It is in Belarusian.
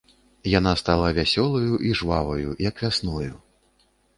Яна стала вясёлаю і жваваю, як вясною.